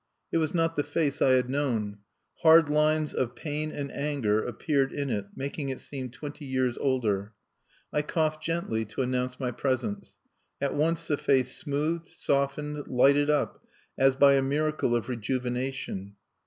It was not the face I had known. Hard lines of pain and anger appeared in it, making it seem twenty years older. I coughed gently to announce my presence. At once the face smoothed, softened, lighted up as by a miracle of rejuvenation.